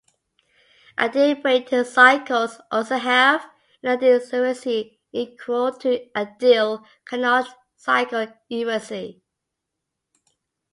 Ideal Brayton cycles also have an ideal efficiency equal to ideal Carnot cycle efficiency.